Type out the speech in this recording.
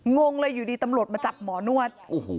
งงเลยอยู่ดีตำรวจมาจับหมอนวด